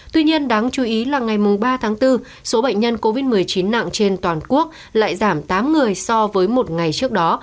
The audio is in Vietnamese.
tuy nhiên đáng chú ý là ngày ba tháng bốn số bệnh nhân covid một mươi chín nặng trên toàn quốc lại giảm tám người so với một ngày trước đó